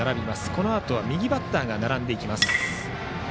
このあとは右バッターが並びます。